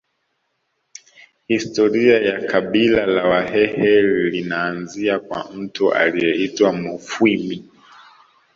Historia ya kabila la Wahehe linaanzia kwa mtu aliyeitwa Mufwimi